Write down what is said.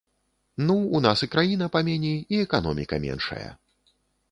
Ну, у нас і краіна паменей, і эканоміка меншая.